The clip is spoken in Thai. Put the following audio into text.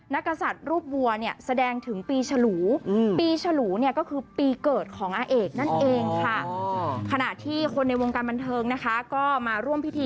นักศัตริย์รูปวัวเนี่ยแสดงถึงปีฉลูปีฉลูเนี่ยก็คือปีเกิดของอาเอกนั่นเองค่ะ